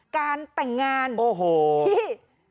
การแต่งงานโอ้โหวเชฮที่